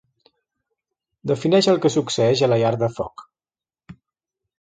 Defineix el que succeeix a la llar de foc.